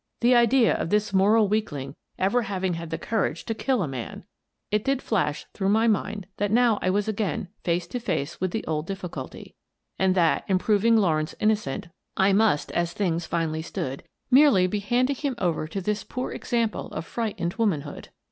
The idea of this moral weakling ever having had the courage to kill a man ! It did flash through my mind that now I was again face to face with the old difficulty, and that, in proving Lawrence innocent, I must, as things finally stood, merely be handing him over to this poor example of frightened womanhood.